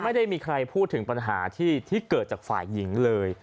ไม่ได้มีใครพูดถึงปัญหาที่เกิดจากฝ่ายหญิงเลย